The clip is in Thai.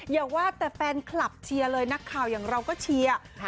อย่าว่าแต่แฟนคลับเชียร์เลยนักข่าวอย่างเราก็เชียร์